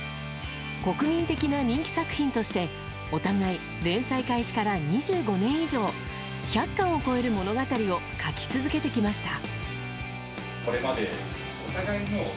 国民的な人気作品としてお互い、連載開始から２５年以上１００巻を超える物語を描き続けてきました。